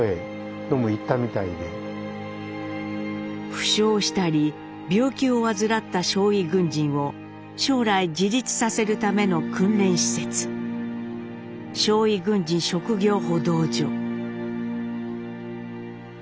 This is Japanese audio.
負傷したり病気を患った傷痍軍人を将来自立させるための訓練施設「傷痍軍人職業補導所」。